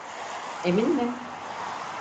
Emin mi?